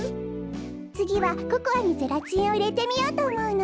つぎはココアにゼラチンをいれてみようとおもうの。